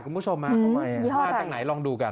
คุณผู้ชมมาจากไหนลองดูกัน